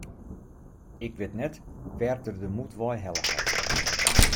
Ik wit net wêr't er de moed wei helle hat.